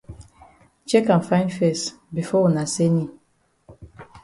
Chek am fine fes before wuna send yi.